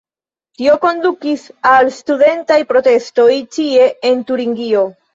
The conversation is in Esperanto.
Tio kondukis al studentaj protestoj ĉie en Turingio.